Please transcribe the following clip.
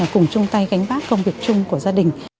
cùng chung tay gánh vác công việc chung của gia đình